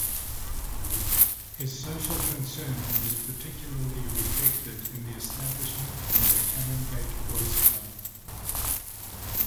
His social concern was particularly reflected in the establishment of the Canongate Boys' Club.